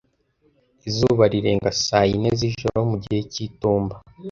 Izuba rirenga saa yine z'ijoro. mu gihe c'itumba.